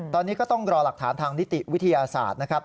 ตอนนี้ก็ต้องรอหลักฐานทางนิติวิทยาศาสตร์นะครับ